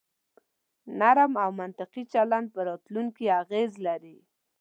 نرم او منطقي چلن په راتلونکي اغیز لري.